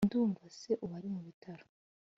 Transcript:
Ndumva se ubu ari mubitaro